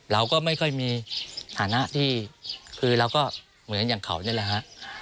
เราก็ไม่ค่อยมีฐานะที่คือเราก็เหมือนอย่างเขานี่แหละฮะ